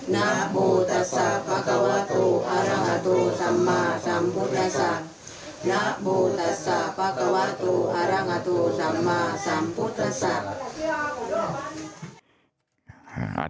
นะบูตัสะกะกะวะตูหร่างะตูซัมมาสัมพุทธศะ